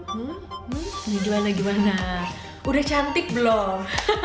hmm hmm gimana gimana udah cantik belum